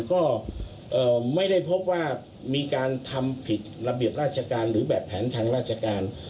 ก็ไม่ได้พบว่ามีการทำผิดระเบียบราชการหรือแบบแผนทางราชการ